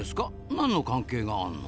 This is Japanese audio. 何の関係があるの？